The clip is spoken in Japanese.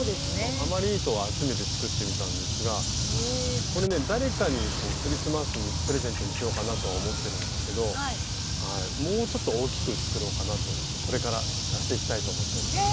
余り糸を集めて作ってみたんですがこれね誰かにクリスマスプレゼントにしようかなとは思ってるんですけどもうちょっと大きく作ろうかなと思ってこれから足していきたいと思っております。